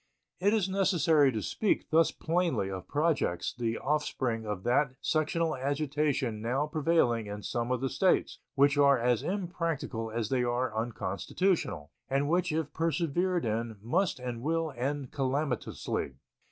It is necessary to speak thus plainly of projects the offspring of that sectional agitation now prevailing in some of the States, which are as impracticable as they are unconstitutional, and which if persevered in must and will end calamitously.